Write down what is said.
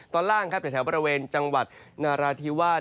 ตัวล่างแถวแถวประเทศแถวประเทศจังหวัดนราธีวาส